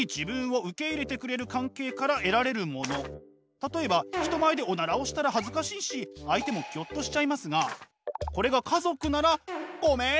例えば人前でおならをしたら恥ずかしいし相手もぎょっとしちゃいますがこれが家族なら「ごめん！」